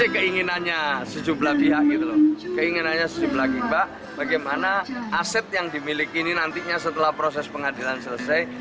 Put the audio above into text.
keinginannya setuju lagi pak bagaimana aset yang dimiliki ini nantinya setelah proses pengadilan selesai